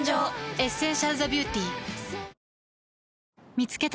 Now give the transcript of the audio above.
「エッセンシャルザビューティ」見つけた。